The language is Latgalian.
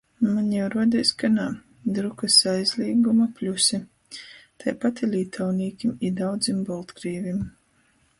Maņ jau ruodīs, ka nā. Drukys aizlīguma pļusi. Taipat i lītaunīkim i daudzim boltkrīvim.